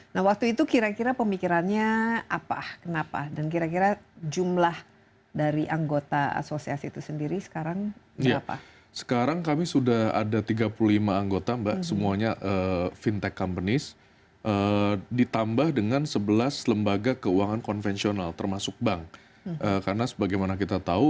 nah waktu itu kira kira pemikirannya apa kenapa dan kira kira jumlah dari anggota asosiasi itu